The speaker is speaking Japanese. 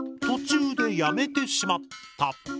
途中でやめてしまった。